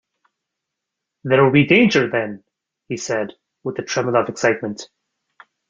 "There will be danger, then?" he said, with a tremor of excitement.